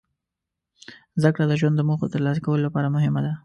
زدهکړه د ژوند د موخو ترلاسه کولو لپاره مهمه ده.